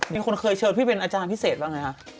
มีคนเคยเชิญพี่เป็นอาจารย์พิเศษหรือเปล่าไงฮะ